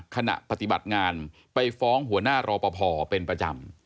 ขณะปฏิบัติงานไปฟ้องหัวหน้ารอปภเป็นประจำ